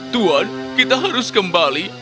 tuhan kita harus kembali